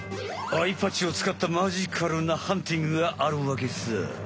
アイパッチを使ったマジカルなハンティングがあるわけさ。